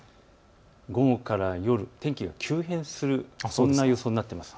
午後から夜、天気が急変する、そんな予想になっています。